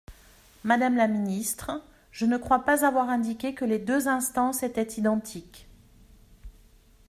Madame la ministre, je ne crois pas avoir indiqué que les deux instances étaient identiques.